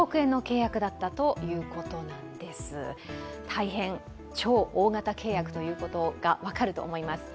大変、超大型契約ということが分かると思います。